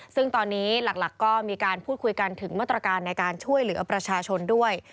ซึ่งตอนนี้หลักก็มีการพูดคุยกันถึงมาตรการในการช่วยเหลือประชาชนด้วย